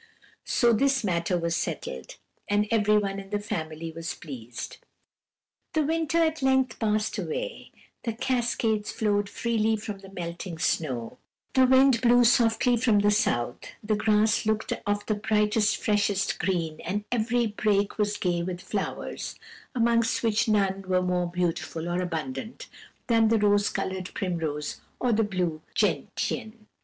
"So this matter was settled, and everyone in the family was pleased. The winter at length passed away: the cascades flowed freely from the melting snow; the wind blew softly from the south; the grass looked of the brightest, freshest green; and every brake was gay with flowers, amongst which none were more beautiful or abundant than the rose coloured primrose or the blue gentian.